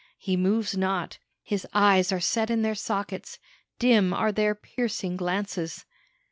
He moves not; his eyes are set in their sockets; dim are their piercing glances.